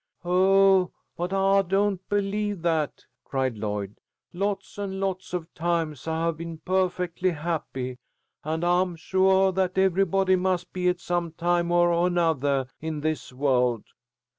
"Oh, but I don't believe that!" cried Lloyd. "Lots and lots of times I have been perfectly happy, and I am suah that everybody must be at some time or anothah in this world."